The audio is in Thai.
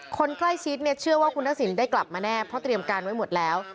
คนใกล้ชิดเนี่ยเชื่อว่าคุณทักษิณได้กลับมาแน่เพราะเตรียมการไว้หมดแล้ว